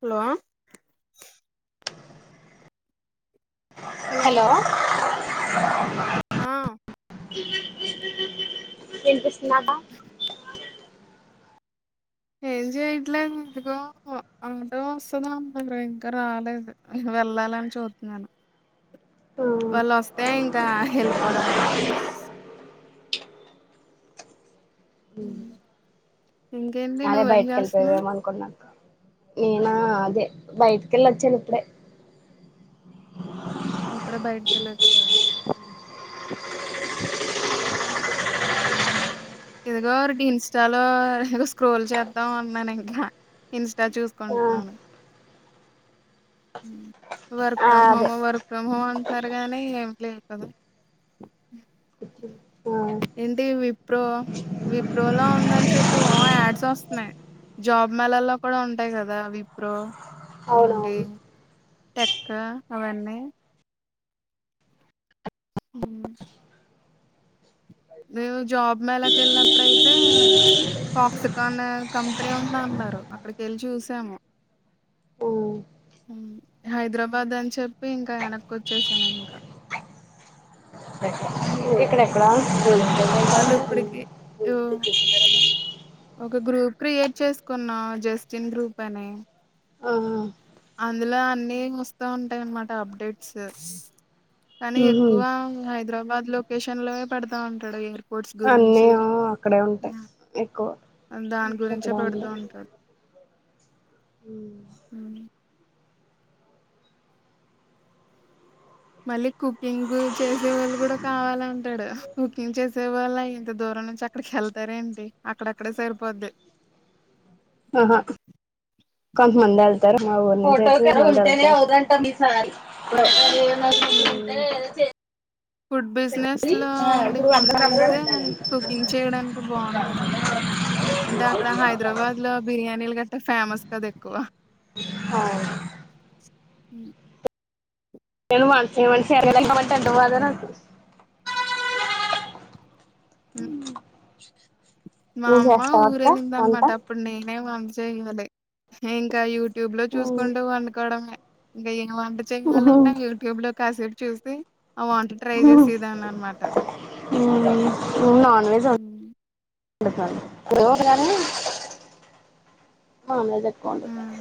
హలోవా hello ఆ ఎంపిస్తున్నాక ఏం చేయట్లేకో ఆట వస్తద అంద ఇంకా రాలేదు వెళ్ళాలని చూతున్నాను వాళ్ళు వ కా హళపోడమే అ అద బయటకిెళ్పోవేమ అనుకోొ నాకు నేనా అదే బయటిక వెళ్ళ వచ్చాను ఇప్పుడే ఎప్పుడే బయటిక వెళ్ళొచ్చావా హ ఇదిగో ఒకటి ఇన్స్టాలో ఇం స్క్రోల్ చేద్దాం అన్నాను ఇంకా ఇన్స్టా ఆ చూసుకుంటున్నాను వర్క్ ఆ ఫ్రమ్ హ అదే వర్క్ ఫ్ర మరగానే ఏం లేవుతుదు ఆ ఏంటి విప్రో విప్రోలో ఉందని చెప్పి ఓ యాడ్స్ వస్తున్నాయి జాబ్ మెలల్లో కూడా ఉంటాయి కదా విప్రో అవునవును టెక్క అవన్న అ మేవు జాబ్ మేళకి వెళ్ళినప్పుడయితే ఫక్సికాన్ కంపెనీ ఉందన్నారు అక్కడికి వెళ్ళి చూసాము ఉమ్ హైదరాబాద్ అని చెప్పి ఇంకా వెనక్కి వచ్చేసాను ఇంకా ఇక్కడ ఎక్కడా వాళ్ళు ఇప్పటికి ఒక గ్రూప్ క్రియేట్ చేసుకున్నా జస్టిన్ గ్రూప్ అని ఆ అందులో అన్ని వస్తా ఉంటాయి అన్నమాట అప్డేట్స్ కానీ ఉహు ఎక్కువ హైదరాబాద్ లొకేషన్ లోవె పెడతా ఉంటాడు ఎయిర్ పోర్ట్స్ అన్నీ గురించి ఆ అక్కడే ఉంటాయి ఎక్కువ దాని గురించే పెడుతూ ఉంటారు ఊ మ్ మళ్ళీ కుకింగ్ చేసే వాళ్ళు కూడా కావాల అంటాడు కుకింగ్ చేసే వాళ్ళ ఇంత దూరం ఇక్కడ నుంచి అక్కడికి వెళ్తారేంటి అక్కడక్కడే సరిపోద్ది అ హా కొంత మంది ఎళ్తారు మా ఊరి నుంచి అయితే ఫుడ్ బిజినెస్ లో ఇప్పుడు ఉండేవాళ్ళు కళ్తే కుకింగ్ చేయడానికి బాగుంటుంది అంటే అక్కడ హైదరాబాద్ లో బిర్యానీలు గట్ట ఫేమస్ కద ఎక్కువ హ మ్ ఏ మనిషి మనిషి బాధ నాకు మ్ మా నువ్వు అమ్మ చేస్తావా అక్క వంట ఊరేళ్ళిందనమాట అప్పుడు నేనే వంట చేయాలి ఇంకా యూ యూట్యూబ్ లో చూసుకుంటూ వండుకోవడే ఇంకా ఏం వంట చేయలంటే యూట్యూబ్ లో కాసె చూసి అ వంటలు ట్రై చేసేదాని అన్నమాట [unintelligible] కో హ్మ్.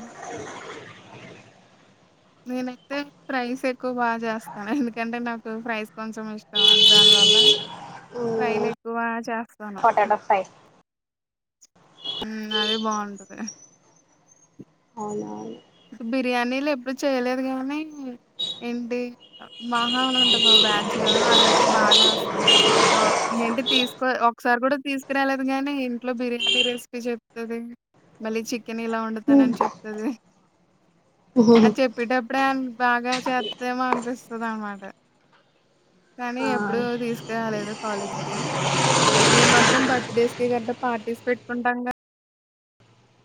నేనైతే ప్రైస్ ఎక్కువ బాగా చేస్తాను ఎందుకంటే నాకు ప్రైస్ కొంచెం ఇష్టం దాని వల్ల ఫ్రైలు ఎక్కువ చేస్తాను పొటాటో ఫ్రై మ్ అది బాగుంటది అవునవును ఇప్పుడు బిర్యానీలు ఎప్పుడు చేయలేదు గానీ ఏంటి మాహా అని ఉంట మా బ్యాచ్ లో అదయితే బాగా చేస్తది ఎంటి తీస్ ఒకసారి కూడా తీసుకురాలేదు గాని ఇంట్లో బిర్యానీ రెసిపీ చెప్తది మళ్ళీ చే చికెను ఇలా వండుతానని చెప్తుది అది చెప్పేటప్పుడే బాగా చేద్దామ అనిపిస్తుంది అనమాట కానీ ఆ ఎప్పుడు తీసుక రాలేదు కాలేజీకిి మేము మాత్రం బర్త్డేస్ కి గట్ట పార్టీస్ పెట్టుకుంటాం గా